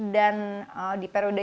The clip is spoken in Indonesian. dan di periode